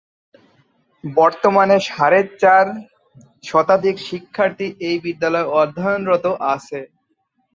বর্তমানে সাড়ে চার শতাধিক শিক্ষার্থী এ বিদ্যালয়ে অধ্যয়নরত আছে।